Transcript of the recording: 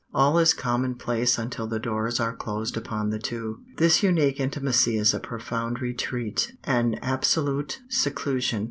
All is commonplace until the doors are closed upon the two. This unique intimacy is a profound retreat, an absolute seclusion.